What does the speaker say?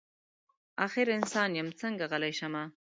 اخر انسان یم څنګه غلی شمه.